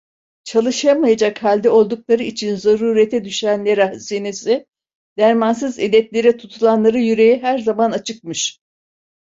Çalışamayacak halde oldukları için zarurete düşenlere hâzinesi, dermansız illetlere tutulanlara yüreği her zaman açıkmış.